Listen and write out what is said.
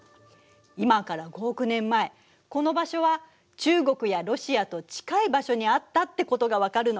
今から５億年前この場所は中国やロシアと近い場所にあったってことが分かるの。